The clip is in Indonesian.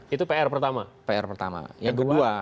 itu pr pertama pr pertama yang kedua